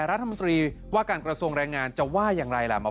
รัฐมนตรีว่าการกระทรวงแรงงานจะว่าอย่างไรล่ะหมอ